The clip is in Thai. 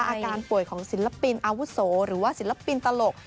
อาการป่วยของศิลปินอาวุโสหรือว่าศิลปินตลก